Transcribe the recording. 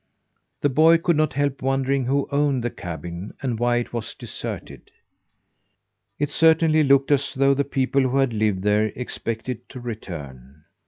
The boy could not help wondering who owned the cabin, and why it was deserted. It certainly looked as though the people who had lived there expected to return.